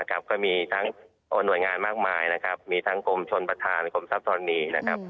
ก็มีทั้งหน่วยงานมากมายมีทั้งกรมชนประธานกรมทรัพย์ธรรมนี้